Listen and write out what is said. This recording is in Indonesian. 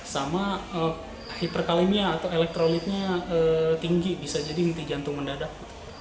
sama hiperkalemia atau elektrolitnya tinggi bisa jadi jantung mendadak